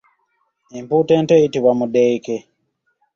Empuuta ento eyitibwa Mudeeke.